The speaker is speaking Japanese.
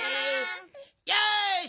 よし！